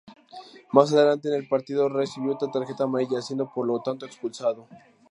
Más adelante en el partido, recibió otra tarjeta amarilla, siendo por lo tanto expulsado.